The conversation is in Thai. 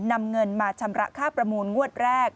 นำเงินมาชำระค่าประมูลงวดแรก